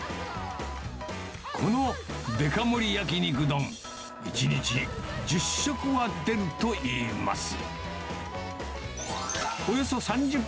このデカ盛り焼肉丼、１日１０食は出るといいます。